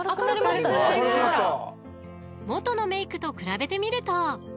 ［元のメークと比べてみると］